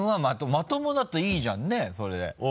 まともだったらいいじゃんねそれで。